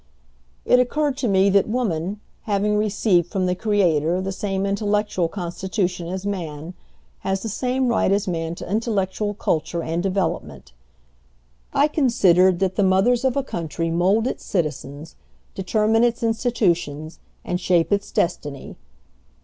"It occurred to me that woman, having received from the Creator the same intellectual constitution as man, has the same right as man to intellectual culture and development. "I considered that the mothers of a country mould its citizens, determine its institutions, and shape its destiny.